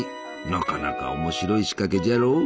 なかなか面白い仕掛けじゃろう？